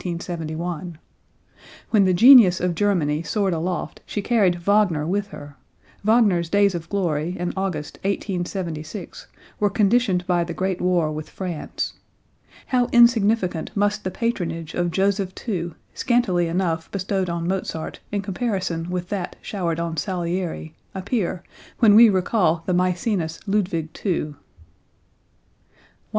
When the genius of Germany soared aloft she carried Wagner with her; Wagner's days of glory in August, 1876, were conditioned by the great war with France. How insignificant must the patronage of Joseph II, scantily enough bestowed on Mozart in comparison with that showered on Salieri, appear, when we recall the Maecenas Ludwig II. 109.